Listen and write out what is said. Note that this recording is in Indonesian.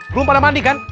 belum pada mandi kan